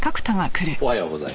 おはようございます。